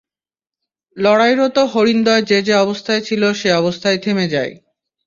লড়াইরত হরিণদ্বয় যে যে অবস্থায় ছিল সে অবস্থায় থেমে যায়।